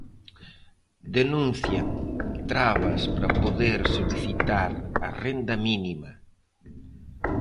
Denuncian trabas para poder solicitar a renda mínima.